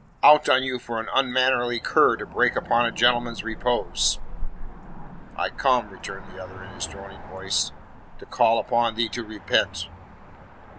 "Out on you for an unmannerly cur to break upon a gentleman's repose." "I come," returned the other in his droning voice, "to call upon thee to repent."